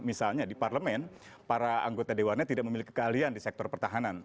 misalnya di parlemen para anggota dewannya tidak memiliki keahlian di sektor pertahanan